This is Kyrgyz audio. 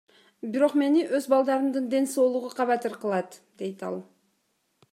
Бирок мени өз балдарымдын ден соолугу кабатыр кылат, — дейт ал.